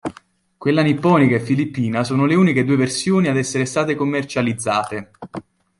Quella nipponica e filippina sono le uniche due versioni ad essere state commercializzate.